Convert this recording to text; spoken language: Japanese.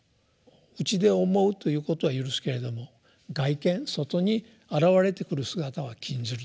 内で想うということは許すけれども「外顕」外に現れてくる姿は禁じると。